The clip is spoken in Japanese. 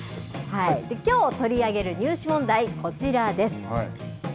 きょう取り上げる入試問題、こちらです。